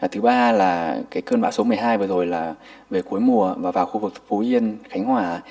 thứ ba là cơn bão số một mươi hai vừa rồi là về cuối mùa và vào khu vực phú yên khánh hòa